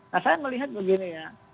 nah saya melihat begini ya